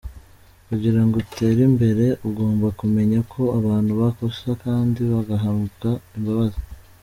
Kugirango utere imbere ugomba kumenya ko abantu bakosa kandi bagahabwa imbabazi.